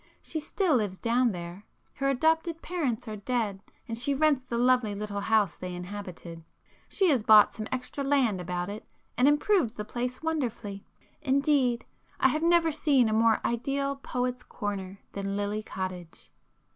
She still lives down there,—her adopted parents are dead and she rents the lovely little house they inhabited. She has bought some extra land about it and improved the place wonderfully. Indeed I have never seen a more ideal poet's corner than Lily Cottage."